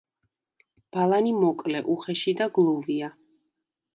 ბალანი მოკლე, უხეში და გლუვია.